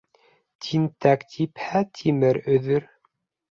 Тинтәк типһә тимер өҙөр.